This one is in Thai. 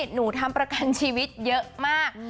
หนูทำประกันชีวิตเยอะมาก